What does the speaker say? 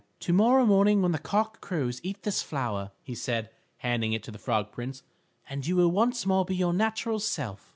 "Tomorrow morning when the cock crows eat this flower," he said, handing it to the Frog Prince, "and you will once more be your natural self."